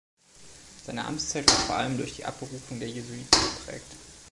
Seine Amtszeit war vor allem durch die Abberufung der Jesuiten geprägt.